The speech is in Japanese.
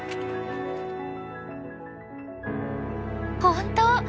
本当！